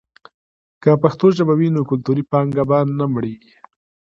که پښتو ژبه وي، نو کلتوري پانګه به نه مړېږي.